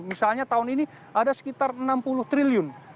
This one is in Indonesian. misalnya tahun ini ada sekitar enam puluh triliun